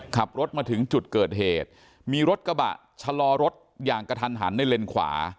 ขับรถมาถึงจุดเกิดเหตุมีรถกระบะชะลอรถอย่างกระทันหันในเลนขวา